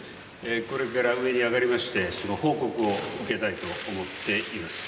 これから上に上がりましてその報告を受けたいと思います。